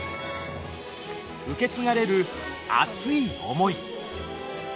受け継がれる熱い思い。